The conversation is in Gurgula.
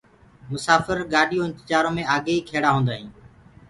مساڦر گآڏِيو انتجآرو مي آگيئيٚ کيڙآ هونٚدآئينٚ